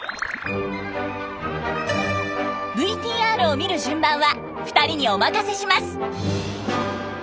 ＶＴＲを見る順番は２人にお任せします。